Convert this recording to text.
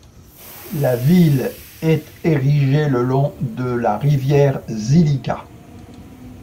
La ville est érigée le long de la rivière Zylica.